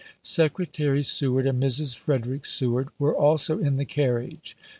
Secretary Seward and Mrs. Frederick Seward were also in the carriage.